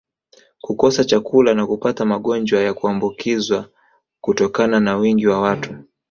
kukosa chakula na kupata magonjwa ya kuambukiza kutokana na wingi wa watu